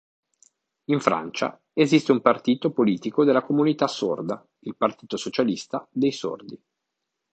In Francia esiste un partito politico della comunità sorda, il "Partito Socialista dei Sordi".